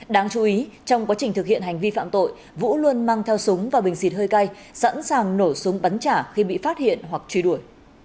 đáng chú ý trong quá trình thực hiện hành vi phạm tội vũ luôn mang theo súng và bình xịt hơi cay sẵn sàng nổ súng bắn trả khi bị phát hiện hoặc truy đuổi